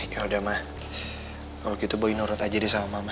yaudah ma kalo gitu boy nurut aja deh sama mama